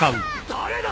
誰だ！？